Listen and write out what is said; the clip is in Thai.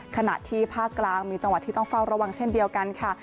ขนาดที่ภาคกลางขนาดที่ต้องเฝ้าระวังเช่นเดียวกันค่ะ